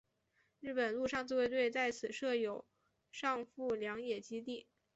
日本陆上自卫队在此设有上富良野基地。